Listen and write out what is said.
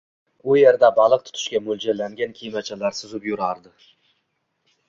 U erda baliq tutishga mo`ljallangan kemachalar suzib yurardi